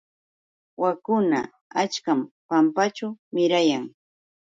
Waakuna achkam pampaćhu mirayan.